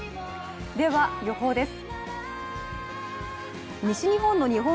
では予報です。